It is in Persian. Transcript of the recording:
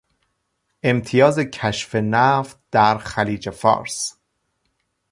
امتیاز کشف نفت در خلیج فارس